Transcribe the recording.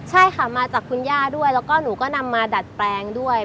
ใช่ค่ะมาจากคุณย่าด้วยแล้วก็หนูก็นำมาดัดแปลงด้วย